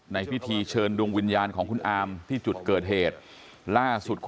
ในพิธีเชิญดวงวิญญาณของคุณอามที่จุดเกิดเหตุล่าสุด